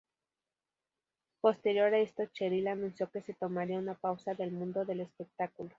Posterior a esto Cheryl anuncio que se tomaría una pausa del mundo del espectáculo.